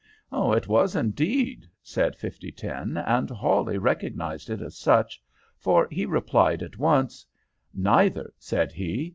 "It was, indeed," said 5010; "and Hawley recognized it as such, for he replied at once. "'Neither,' said he.